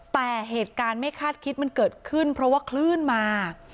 แต่เหตุการณ์ไม่คาดคิดมันเกิดขึ้นเพราะว่าคลื่นมา